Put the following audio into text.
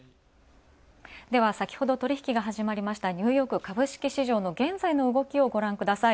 では先ほど取引が始まりましたニューヨーク株式市場の現在の動きをごらんください。